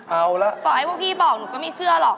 เอาละต่อให้พวกพี่บอกหนูก็ไม่เชื่อหรอก